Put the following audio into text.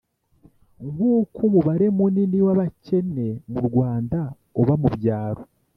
nk'uko umubare munini w'abakene mu rwanda uba mu byaro,